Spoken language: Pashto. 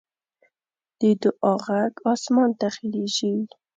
د دعا غږ اسمان ته خېژي